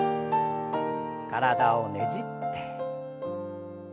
体をねじって。